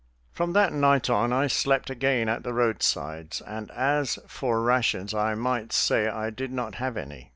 From that night on I slept again at the roadsides, and as for rations, I might say I did not have any.